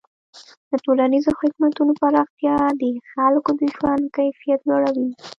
د ټولنیزو خدمتونو پراختیا د خلکو د ژوند کیفیت لوړوي.